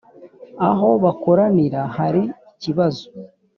aho bakoranira hari ikibazo